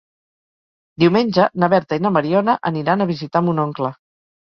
Diumenge na Berta i na Mariona aniran a visitar mon oncle.